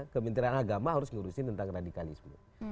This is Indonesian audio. kementerian agama harus ngurusin tentang radikalisme